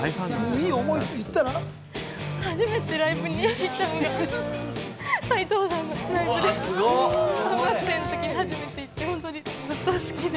初めてライブに行ったのが斉藤さんのライブで、小学生の時に初めて行って本当にずっと好きで。